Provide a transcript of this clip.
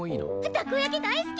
タコ焼き大好き！